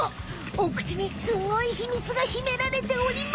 お口にスゴいひみつがひめられておりました。